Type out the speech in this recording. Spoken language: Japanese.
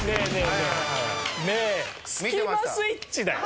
ねえスキマスイッチだよ？